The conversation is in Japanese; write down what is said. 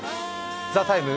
「ＴＨＥＴＩＭＥ，」